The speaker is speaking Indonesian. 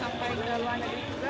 dan ini ada tamu dari luar negeri juga